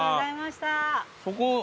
そこ。